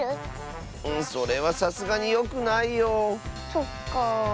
そっか。